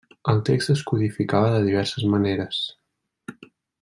El text es codificava de diverses maneres.